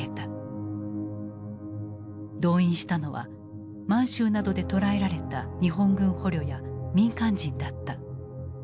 動員したのは満州などで捕らえられた日本軍捕虜や民間人だった。